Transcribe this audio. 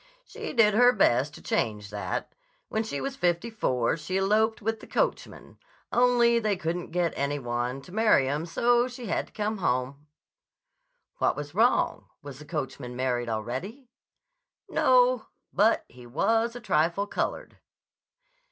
"She did her best to change that. When she was fifty four she eloped with the coachman. Only they couldn't get any one to marry 'em, so she had to come home." "What was wrong? Was the coachman married already?" "No. But he was a trifle colored."